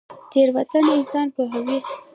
تیروتنه انسان پوهوي